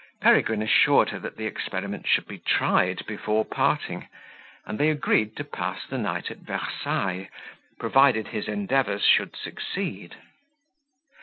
Peregrine assured her the experiment should be tried before parting; and they agreed to pass the night at Versailles, provided his endeavours should succeed.